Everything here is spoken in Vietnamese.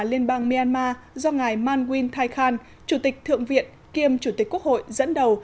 liên bang myanmar do ngài man win thai khan chủ tịch thượng viện kiêm chủ tịch quốc hội dẫn đầu